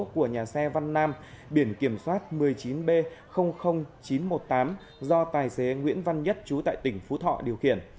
năm năm năm năm biển kiểm soát một mươi chín b chín trăm một mươi tám do tài xế nguyễn văn nhất trú tại tỉnh phú thọ điều khiển